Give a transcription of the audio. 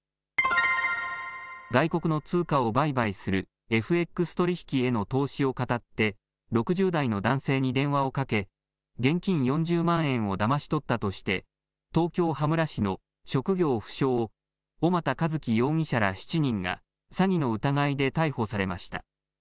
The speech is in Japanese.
外国の通貨を売買するＦＸ取引への投資をかたって、６０代の男性に電話をかけ、現金４０万円をだまし取ったとして、東京・羽村市の職業不詳、小俣一毅容疑者ら７人が、詐欺の疑いで逮捕されました。